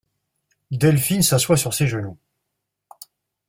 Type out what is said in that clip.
Delphine s'assoit sur ses genoux.